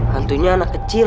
hantunya anak kecil